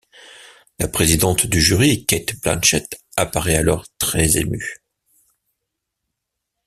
La présidente du jury Cate Blanchett apparaît alors très émue.